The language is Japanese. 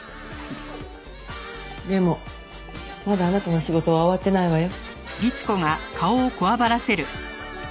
でもまだあなたの仕事は終わってないわよ。